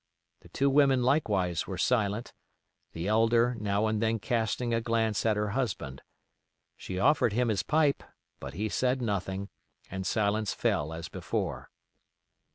The two women likewise were silent, the elder now and then casting a glance at her husband. She offered him his pipe, but he said nothing, and silence fell as before.